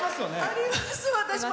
あります、私も。